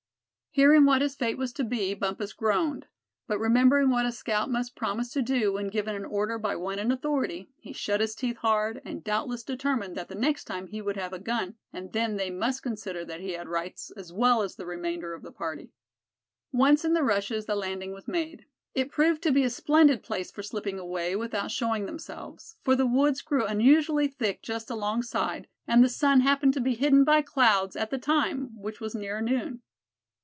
Hearing what his fate was to be Bumpus groaned; but remembering what a scout must promise to do when given an order by one in authority, he shut his teeth hard, and doubtless determined that the next time he would have a gun, and then they must consider that he had rights, as well as the remainder of the party. Once in the rushes the landing was made. It proved to be a splendid place for slipping away without showing themselves, for the woods grew unusually thick just alongside, and the sun happened to be hidden by clouds at the time, which was near noon.